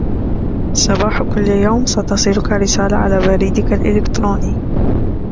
صباح كل يوم ستصلك رسالة على بريدك الإلكتروني